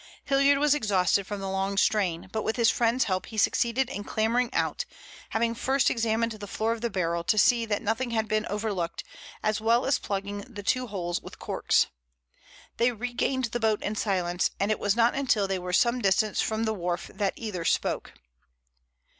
Hilliard was exhausted from the long strain, but with his friend's help he succeeded in clambering out, having first examined the floor of the barrel to see that nothing had been overlooked, as well as plugging the two holes with corks. They regained the boat in silence, and it was not until they were some distance from the wharf that either spoke.